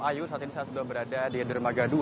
ayu saat ini saya sudah berada di dermaga dua